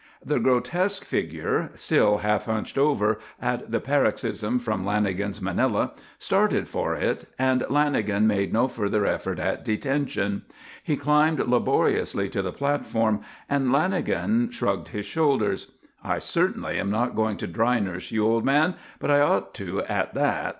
The grotesque figure, still half hunched over at the paroxysm from Lanagan's Manila, started for it and Lanagan made no further effort at detention. He climbed laboriously to the platform, and Lanagan shrugged his shoulders. "I certainly am not going to dry nurse you, old man, but I ought to at that.